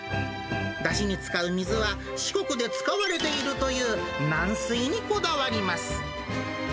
だしに使う水は、四国で使われているという軟水にこだわります。